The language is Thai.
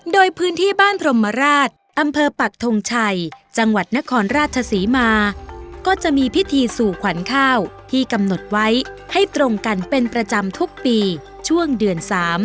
โดยพื้นที่บ้านพรมราชอำเภอปักทงชัยจังหวัดนครราชศรีมาก็จะมีพิธีสู่ขวัญข้าวที่กำหนดไว้ให้ตรงกันเป็นประจำทุกปีช่วงเดือน๓